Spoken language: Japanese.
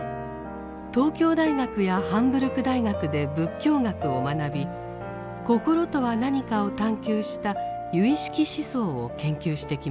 東京大学やハンブルク大学で仏教学を学び心とは何かを探求した唯識思想を研究してきました。